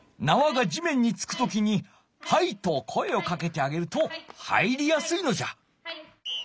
なわが地面に着く時に「はい！」と声をかけてあげると入りやすいのじゃ。